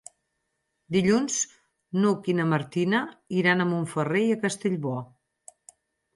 Dilluns n'Hug i na Martina iran a Montferrer i Castellbò.